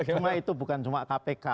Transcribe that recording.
jumlah itu bukan cuma kpk